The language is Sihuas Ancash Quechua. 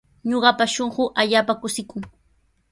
Ñuqapa shunquu allaapa kushikun.